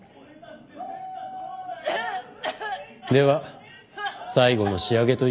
では最後の仕上げといきますか。